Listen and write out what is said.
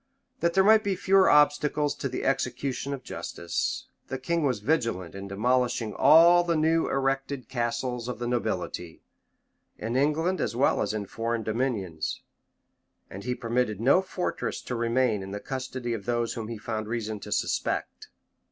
That there might be fewer obstacles to the execution of justice, the king was vigilant in demolishing all the new erected castles of the nobility, in England as well as in his foreign dominions; and he permitted no fortress to remain in the custody of those whom he found reason to suspect.